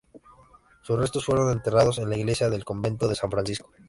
Sus restos fueron enterrados en la iglesia del convento de San Francisco.